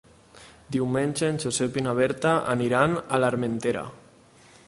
Diumenge en Josep i na Berta aniran a l'Armentera.